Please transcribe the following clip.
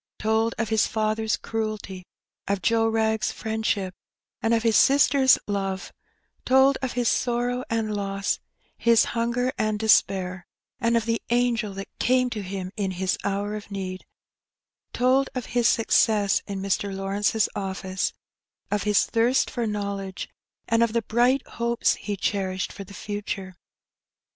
Told of his father's cruelty, of Joe Wrag's friendship, and of his sister's love — told of his sorrow and loss, his hunger and despair, and of the angel that came to him in his hour of need — told of his success in Mr. Lawrence's office, of his thirst for knowledge, and of the bright hopes he cherished for the future.